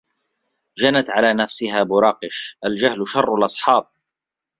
جنت على نفسها براقش الجهل شر الأصحاب